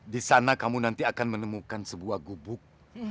di sana kamu nanti akan menemukan sebuah gubuk